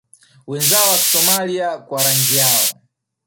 wenzao wa Kisomailia kwa rangi yao